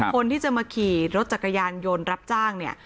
คนที่จะมาขี่รถจักรยานยนต์รับจ้างเนี่ย